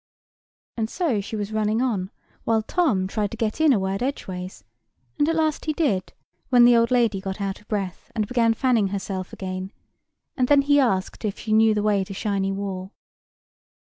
And so she was running on, while Tom tried to get in a word edgeways; and at last he did, when the old lady got out of breath, and began fanning herself again; and then he asked if she knew the way to Shiny Wall.